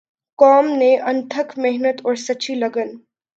قوم نے انتھک محنت اور سچی لگن